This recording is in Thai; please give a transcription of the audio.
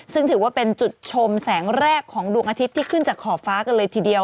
ซึ่งถือว่าเป็นจุดชมแสงแรกของดวงอาทิตย์ที่ขึ้นจากขอบฟ้ากันเลยทีเดียว